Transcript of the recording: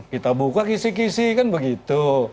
kita buka kisih kisih kan begitu